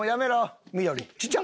ちっちゃ！